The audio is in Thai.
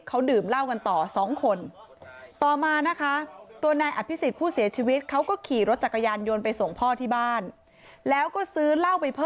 เขาดื่มเหล้ากันต่อ๒คน